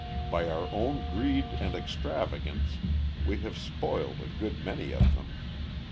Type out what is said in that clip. By our own greed and extravagance we have spoiled a good many of them.